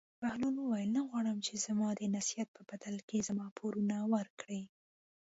بهلول وویل: نه غواړم چې زما د نصیحت په بدله کې زما پورونه ورکړې.